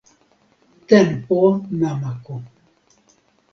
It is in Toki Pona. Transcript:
tenpo namako.